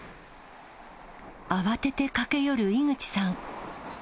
慌てて駆け寄る井口さん。